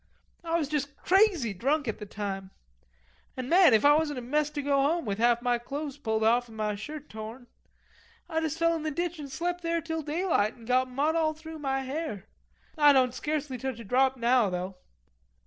Ah was juss crazy drunk at the time. An' man, if Ah wasn't a mess to go home, with half ma clothes pulled off and ma shirt torn. Ah juss fell in the ditch an' slep' there till daylight an' got mud all through ma hair.... Ah don't scarcely tech a drop now, though."